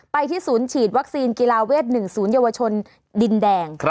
ที่ศูนย์ฉีดวัคซีนกีฬาเวท๑๐เยาวชนดินแดง